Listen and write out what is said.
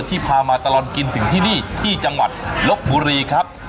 พามาตลอดกินถึงที่นี่ที่จังหวัดลบบุรีครับ